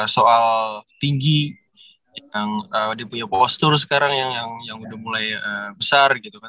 soal tinggi yang dia punya postur sekarang yang udah mulai besar gitu kan